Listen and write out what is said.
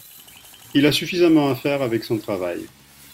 Il a suffisamment à faire avec son travail.